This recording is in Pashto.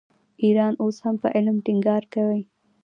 ایران اوس هم په علم ټینګار کوي.